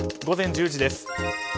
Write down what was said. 午前１０時です。